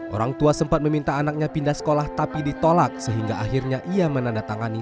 orang tua sempat meminta anaknya pindah sekolah tapi ditolak sehingga akhirnya ia menandatangani